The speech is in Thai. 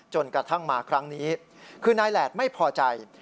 จนกระทั่งมาครั้งนี้คือนายแหลดไม่พอใจ